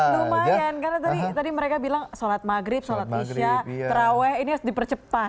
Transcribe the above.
lumayan karena tadi mereka bilang sholat maghrib sholat isya terawih ini harus dipercepat